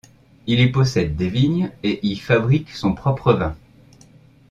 Il y possède des vignes et y fabrique son propre vin.